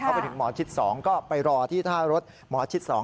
พอไปถึงหมอชิด๒ก็ไปรอที่ท่ารถหมอชิด๒